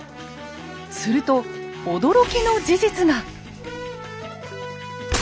すると驚きの事実が。